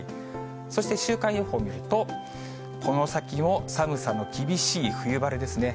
そして週間予報見ると、この先も寒さの厳しい冬晴れですね。